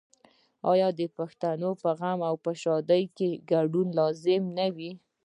آیا د پښتنو په غم او ښادۍ کې ګډون لازمي نه وي؟